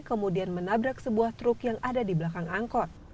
kemudian menabrak sebuah truk yang ada di belakang angkot